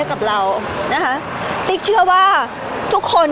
พี่ตอบได้แค่นี้จริงค่ะ